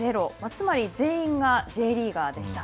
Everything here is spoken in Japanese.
つまり全員がＪリーガーでした。